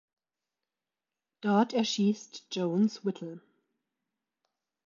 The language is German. Dort erschießt Jones Whittle.